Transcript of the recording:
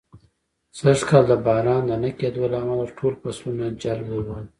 سږ کال د باران د نه کېدلو له امله، ټول فصلونه جل و وهل.